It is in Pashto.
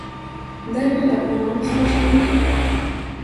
دی به له افغانانو سره جنګیږي.